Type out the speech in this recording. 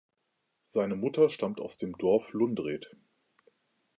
Seine Mutter stammt aus dem Dorf Lundret.